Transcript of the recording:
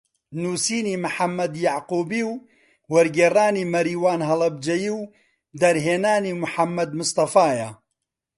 نووسینی محەممەد یەعقوبی و وەرگێڕانی مەریوان هەڵەبجەیی و دەرهێنانی محەممەد مستەفایە